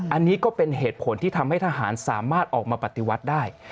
อันนี้ก็เป็นเหตุผลที่ทำให้ทหารสามารถออกมาปฏิวัติได้